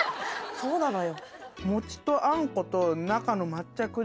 そうなのよ。